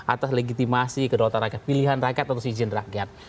atas legitimasi kedaulatan rakyat pilihan rakyat atau seizin rakyat